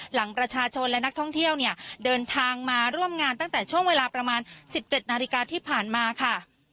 หลังประชาชนและนักท่องเที่ยวเนี่ยเดินทางมาร่วมงานตั้งแต่ช่วงเวลาประมาณ๑๗นาฬิกาที่ผ่านมาค่ะ